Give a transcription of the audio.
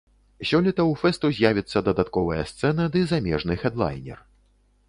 Сёлета ў фэсту з'явіцца дадатковая сцэна ды замежны хэдлайнер.